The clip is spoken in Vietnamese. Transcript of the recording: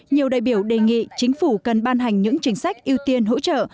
nhiều đại biểu đề nghị chính phủ cần ban hành những chính sách ưu tiên hỗ trợ